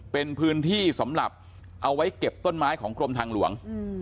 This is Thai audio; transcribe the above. เป็นพื้นที่สำหรับเอาไว้เก็บต้นไม้ของกรมทางหลวง